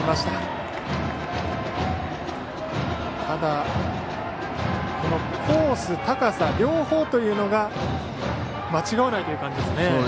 ただ、このコース、高さ両方というのが間違わないという感じですね。